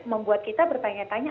membuat kita bertanya tanya